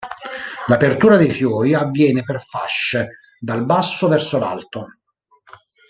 L'apertura dei fiori avviene per fasce, dal basso verso l'alto.